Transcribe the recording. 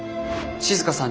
静さん！